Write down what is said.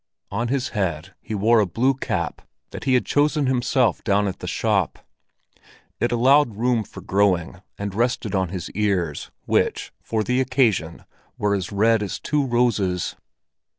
On his head he wore a blue cap that he had chosen himself down at the shop. It allowed room for growing, and rested on his ears, which, for the occasion, were as red as two roses.